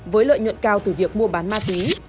với lợi nhuận cao từ việc mua bán ma túy